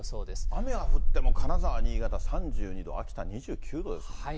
雨が降っても、金沢、新潟３２度、秋田２９度ですもんね。